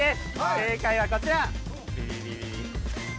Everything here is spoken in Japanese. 正解はこちら！